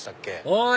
おい！